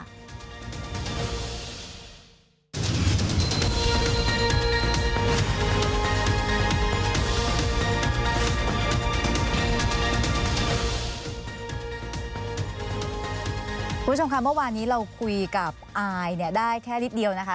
คุณผู้ชมค่ะเมื่อวานนี้เราคุยกับอายเนี่ยได้แค่นิดเดียวนะคะ